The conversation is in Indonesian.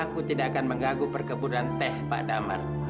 aku tidak akan mengganggu perkebunan teh pak damar